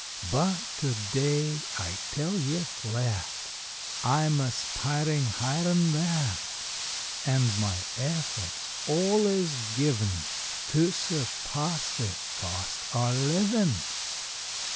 But to day I tell ye flat, I m aspirin higher n that, And my efforts all is given To surpass THE COST o LIVIN